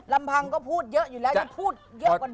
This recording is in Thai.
ลำพังก็พูดเยอะอยู่แล้วจะพูดเยอะกว่านี้